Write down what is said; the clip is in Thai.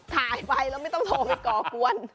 ถ่ายไปแล้วไม่ต้องโทรไปก่อกวน